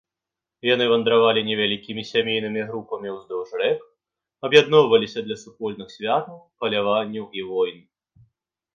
Яны вандравалі невялікімі сямейнымі групамі ўздоўж рэк, аб'ядноўваліся для супольных святаў, паляванняў і войн.